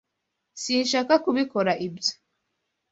Sinshaka kubikora ibyo